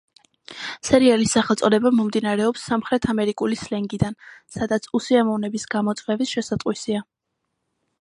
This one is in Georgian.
სერიალის სახელწოდება მომდინარეობს სამხრეთ ამერიკული სლენგიდან, სადაც „უსიამოვნების გამოწვევის“ შესატყვისია.